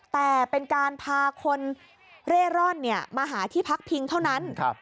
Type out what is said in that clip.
แต่เป็นการพาคนเร่ร่อนมาหาที่พักพิงเท่านั้น